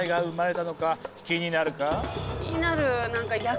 気になる。